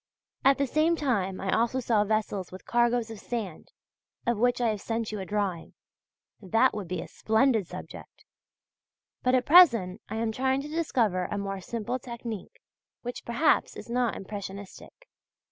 At the same time I also saw vessels with cargoes of sand, of which I have sent you a drawing. That would be a splendid subject! But at present I am trying to discover a more simple technique which perhaps is not impressionistic.